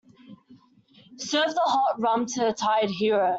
Serve the hot rum to the tired heroes.